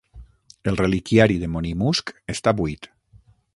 El reliquiari de Monymusk està buit.